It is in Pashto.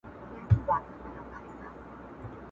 په صفت مړېده نه وه د ټوكرانو؛